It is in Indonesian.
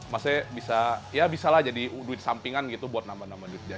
maksudnya bisa ya bisa lah jadi duit sampingan gitu buat nambah nambah duitnya